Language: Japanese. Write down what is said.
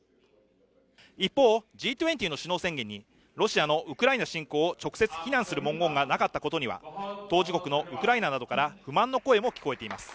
一方、Ｇ２０の首脳宣言にロシアのウクライナ侵攻を直接非難する文言がなかったことには当事国のウクライナなどから不満の声も聞こえています。